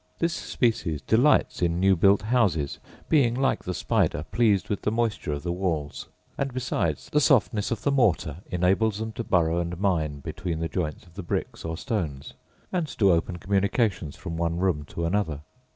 This species delights in new built houses, being, like the spider, pleased with the moisture of the walls; and besides, the softness of the mortar enables them to burrow and mine between the joints of the bricks or stones, and to open communications from one room to another.